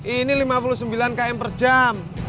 ini lima puluh sembilan km per jam